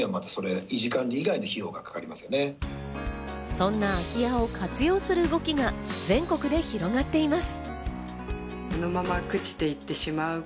そんな空き家を活用する動きが全国で広がっています。